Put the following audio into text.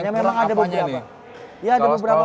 berarti memang ada beberapa